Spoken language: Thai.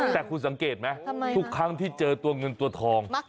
แต่คุณสังเกษมะทุกครั้งที่เจอเงินตัวทองจริงค่ะทำไมหรอ